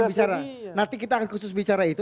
bicara nanti kita akan khusus bicara itu